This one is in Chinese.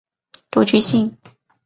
独居性。